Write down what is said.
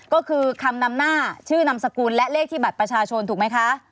ก็คือคำนำหน้าชื่อนามสกุลและเลขที่บัตรประชาชนถูกไหมคะ